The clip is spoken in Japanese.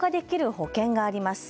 保険があります。